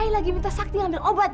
saya lagi minta sakti ambil obat